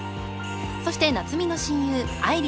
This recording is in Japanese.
［そして夏海の親友愛梨と理沙］